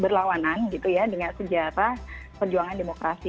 berlawanan gitu ya dengan sejarah perjuangan demokrasi